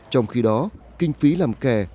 trong khi đó kinh phí làm kè